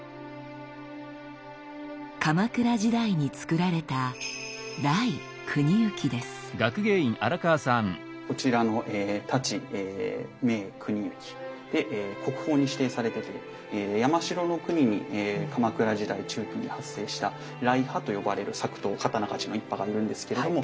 鎌倉時代につくられたこちらの太刀銘国行で国宝に指定されてて山城国に鎌倉時代中期に発生した来派と呼ばれる作刀刀鍛冶の一派がいるんですけれども。